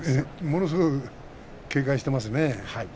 ものすごく警戒してますね。